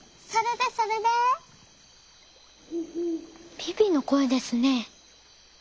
ビビのこえですね。